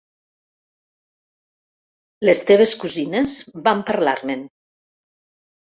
Les teves cosines van parlar-me'n